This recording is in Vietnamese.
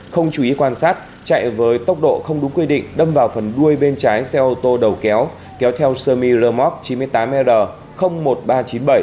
không chú ý quan sát chạy với tốc độ không đúng quy định đâm vào phần đuôi bên trái xe ô tô đầu kéo kéo theo semi remote chín mươi tám ld một nghìn ba trăm chín mươi bảy